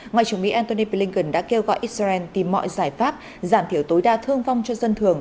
ngoại trưởng mỹ antony blinken đã kêu gọi israel tìm mọi giải pháp giảm thiểu tối đa thương vong cho dân thường